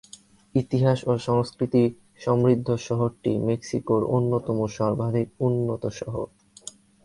ইতিহাস ও সংস্কৃতি সমৃদ্ধ শহরটি মেক্সিকোর অন্যতম সর্বাধিক উন্নত শহর।